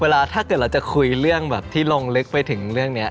ถ้าเกิดเราจะคุยเรื่องแบบที่ลงลึกไปถึงเรื่องนี้